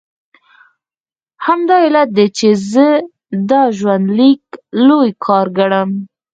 همدا علت دی چې زه دا ژوندلیک لوی کار ګڼم.